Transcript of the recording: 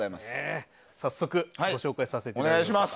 早速ご紹介させていただきます。